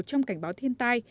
trong cảnh báo thiên tai